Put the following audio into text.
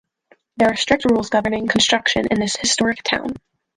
There are strict rules governing construction in this historic town.